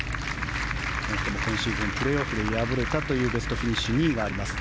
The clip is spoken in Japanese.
この人も今シーズンプレーオフで敗れたというベストフィニッシュ２位があります。